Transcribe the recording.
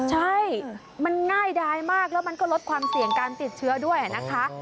ใช่มันง่ายดายมากแล้วมันก็ลดความเสี่ยงการติดเชื้อด้วยนะคะ